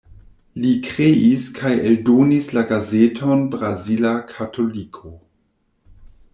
Li kreis kaj eldonis la gazeton Brazila Katoliko.